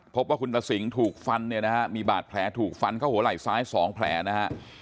พบว่าคุณตะสิงห์ถูกฟันเนี่ยนะฮะมีบาดแผลถูกฟันเข้าหัวไหล่ซ้าย๒แผลนะฮะ